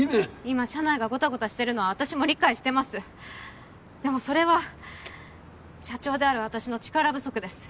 今社内がゴタゴタしてるのは私も理解してますでもそれは社長である私の力不足です